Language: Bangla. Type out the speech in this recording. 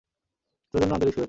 তোর জন্য আন্তরিক শুভেচ্ছা।